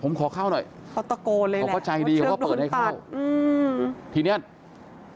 ผมขอเข้าหน่อยเขาก็ใจดีเขาก็เปิดให้เข้าทีนี้เขาตะโกนเลยแหละว่าเชือกถูกตัด